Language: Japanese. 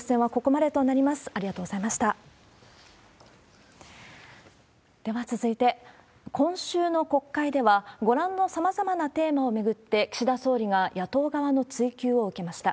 では続いて、今週の国会では、ご覧のさまざまなテーマを巡って、岸田総理が野党側の追及を受けました。